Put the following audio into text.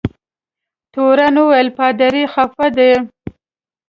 تورن وویل پادري خفه دی.